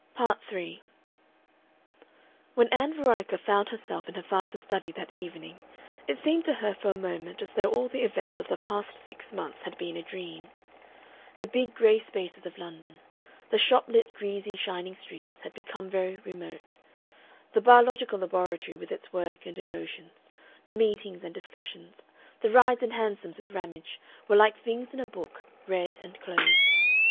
Part 3 When Ann Veronica found herself in her father's study that evening it seemed to her for a moment as though all the events of the past six months had been a dream. The big gray spaces of London, the shop lit, greasy, shining streets, had become very remote; the biological laboratory with its work and emotions, the meetings and discussions, the rides in hansoms with Ramage, were like things in a book read and closed.